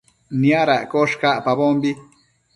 Niadaccosh cacpabombi